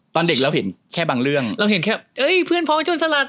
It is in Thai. ตอนเด็กเราเห็นแค่บางเรื่องเราเห็นแค่เอ้ยเพื่อนพร้อมจนสลัด